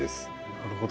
なるほど。